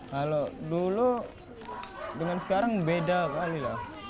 kalau dulu dengan sekarang beda kali lah